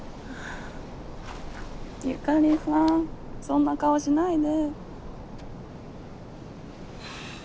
由香里さんそんな顔しないで。